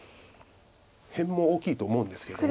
辺も大きいと思うんですけど。